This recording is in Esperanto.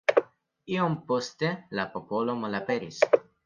Iom poste la popolo malaperis.